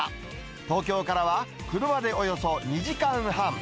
東京からは車でおよそ２時間半。